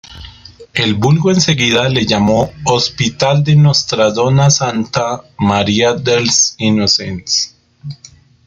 El vulgo enseguida le llamó hospital de Nostra Dona Santa Maria dels Innocents.